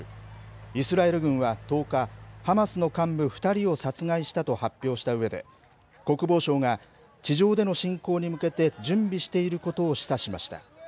イスラエル軍は１０日、ハマスの幹部２人を殺害したと発表したうえで、国防相が、地上での侵攻に向けて準備していることを示唆しました。